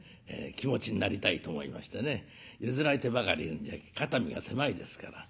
気持ちになりたいと思いましてね譲られてばかりいるんじゃ肩身が狭いですから。